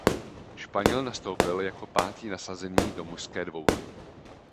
Španěl nastoupil jako pátý nasazený do mužské dvouhry.